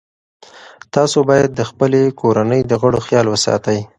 تاسو باید د خپلې کورنۍ د غړو خیال وساتئ.